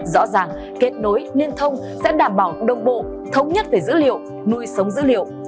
rõ ràng kết nối liên thông sẽ đảm bảo đồng bộ thống nhất về dữ liệu nuôi sống dữ liệu